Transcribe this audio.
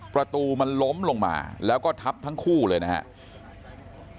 ประตูมันล้มลงมาแล้วก็ทับทั้งคู่เลยนะครับ